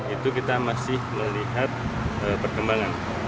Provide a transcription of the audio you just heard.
itu kita masih melihat perkembangan